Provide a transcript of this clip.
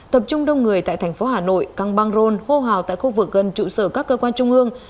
tập trung đông người tại thành phố hà nội căng băng rôn hô hào tại khu vực gần trụ sở các cơ quan trung ương